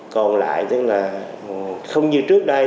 còn lại tức là không như trước đây